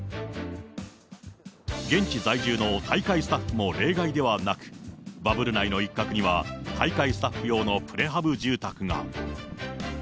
現地在住の大会スタッフも例外ではなく、バブル内の一角には大会スタッフ用のプレハブ住宅が。